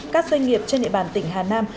các doanh nghiệp trên địa bàn tỉnh hà nam